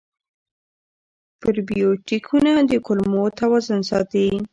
پروبیوتیکونه د کولمو توازن ساتي.